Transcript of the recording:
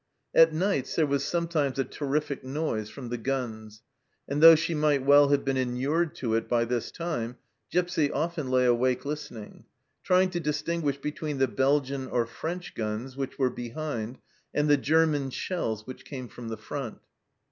At nights there was sometimes a terrific noise from the guns, and though she might well have been inured to it by this time, Gipsy often lay awake listening, trying to distinguish between the Belgian or French guns which were behind and the German shells which came from the front.